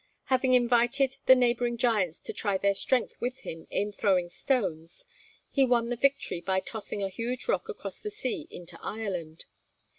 Having invited the neighbouring giants to try their strength with him in throwing stones, he won the victory by tossing a huge rock across the sea into Ireland.